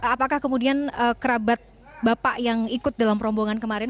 apakah kemudian kerabat bapak yang ikut dalam rombongan kemarin